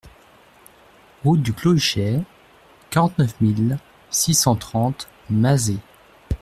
Route du Clos Huchet, quarante-neuf mille six cent trente Mazé